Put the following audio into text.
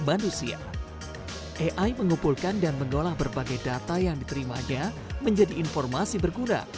manusia ai mengumpulkan dan mengolah berbagai data yang diterimanya menjadi informasi berguna